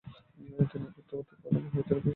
তিনি গ্যুতো তন্ত্র মহাবিদ্যালয়ে শিক্ষালাভ করেন।